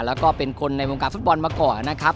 แล้วก็เป็นคนในวงการฟุตบอลมาก่อนนะครับ